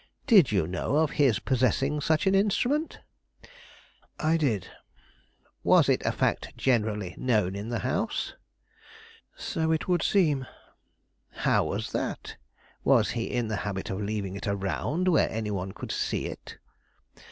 Did you know of his possessing such an instrument?" "I did." "Was it a fact generally known in the house?" "So it would seem." "How was that? Was he in the habit of leaving it around where any one could see it?"